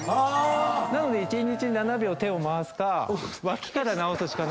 なので１日７秒手を回すか脇から治すしかないんですけど。